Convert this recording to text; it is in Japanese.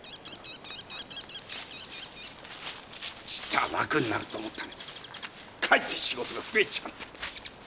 ちっとは楽になると思ったのにかえって仕事が増えちまった。